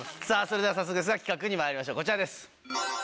それでは早速企画にまいりましょうこちらです。